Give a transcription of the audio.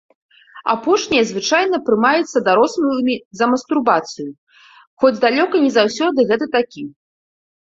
Апошняе звычайна прымаецца дарослымі за мастурбацыю, хоць далёка не заўсёды гэта такі.